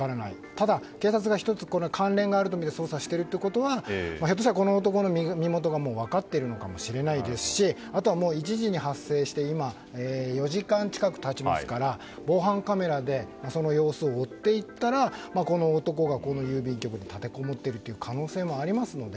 ただ、警察が１つ関連があるとみて捜査しているということはひょっとしたら、この男の身元がもう分かっているのかもしれないですしあとは、１時に発生して今、４時間近く経ちますから防犯カメラで様子を追って行ったらこの男がこの郵便局に立てこもっているという可能性もありますので。